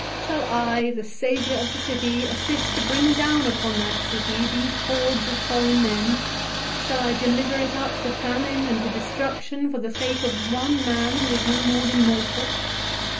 " Shall I, the saviour of the city, assist to bring down upon that city those hordes of foreign men ? Shall I deliver it up to famine and to destruction for the sake of one man who is no more than mortal